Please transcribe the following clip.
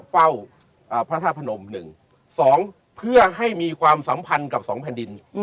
เฝ้าพระท่าพนมหนึ่งสองเพื่อให้มีความสัมพันธ์กับ๒แผ่นดิน